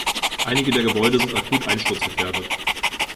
Einige der Gebäude sind akut einsturzgefährdet.